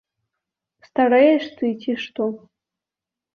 Старэеш ты, ці што?